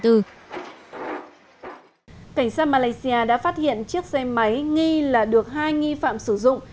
cảnh sát malaysia đã phát hiện chiếc xe máy nghi là được hai nghi phạm sử dụng